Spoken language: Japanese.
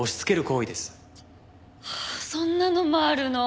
あそんなのもあるの？